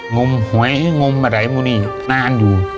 งมหวยงมอะไรมันนี่นานอยู่